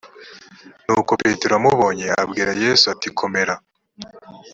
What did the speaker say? nuko petero amubonye abwira yesu ati komera